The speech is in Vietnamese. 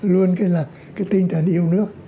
luôn cái tinh thần yêu nước